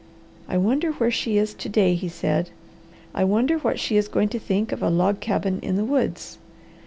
"I wonder where she is to day," he said. "I wonder what she is going to think of a log cabin in the woods.